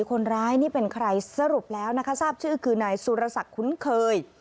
คนร้ายนี่เป็นใครสรุปแล้วนะคะทราบชื่อคือนายสุรศักดิ์คุ้นเคย